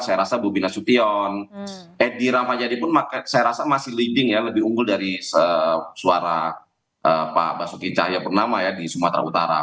saya rasa bobi nasution edi rahmayadi pun saya rasa masih leading ya lebih unggul dari suara pak basuki cahaya purnama ya di sumatera utara